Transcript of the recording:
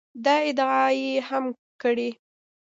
دا ادعا یې هم کړې